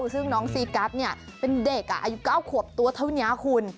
ซึ่งน้องซีกัสเป็นเด็กอายุ๙ขวบตัวเท่านี้คุณ